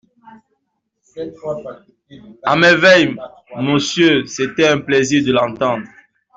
À merveille, monsieur ; c’était un plaisir de l’entendre.